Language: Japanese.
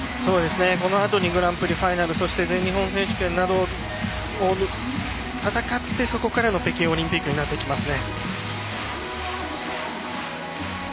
このあとにグランプリファイナルそして全日本選手権などを戦ってそこからの北京オリンピックになってきますね。